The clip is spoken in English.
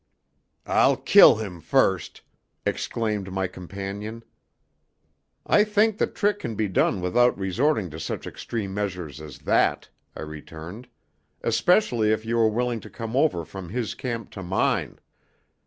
"I'll kill him first!" exclaimed my companion. "I think the trick can be done without resorting to such extreme measures as that," I returned, "especially if you are willing to come over from his camp to mine."